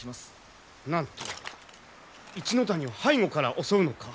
なんと一ノ谷を背後から襲うのか。